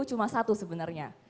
cuma satu sebenarnya